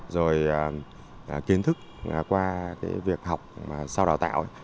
rồi kiến thức qua việc học sau đào tạo